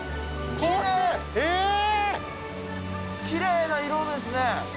きれいな色ですね。